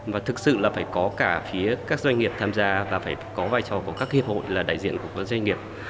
và thực sự là phải có cả phía các doanh nghiệp tham gia và phải có vai trò của các hiệp hội là đại diện của các doanh nghiệp